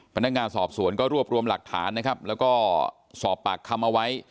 พนักงานสอบสวนก็รวบรวมหลักฐานนะครับแล้วก็สอบปากคำเอาไว้